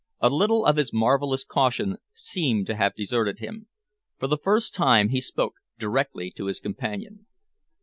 A little of his marvellous caution seemed to have deserted him. For the first time he spoke directly to his companion.